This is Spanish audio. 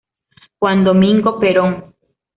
Juan Domingo Perón.